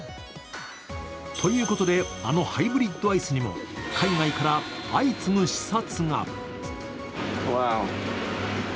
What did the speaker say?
ということで、あのハイブリッドアイスにも海外から相次ぐ視察が。